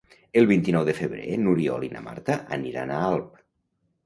El vint-i-nou de febrer n'Oriol i na Marta aniran a Alp.